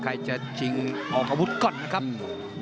ใครจะชิงออกอาวุธก่อนนะครับ